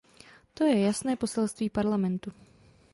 To je jasné poselství Parlamentu.